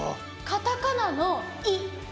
カタカナの「イ」。